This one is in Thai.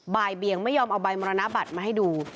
บ่ายเบียงไม่ยอมเอาใบมรณบัตรมาให้ดู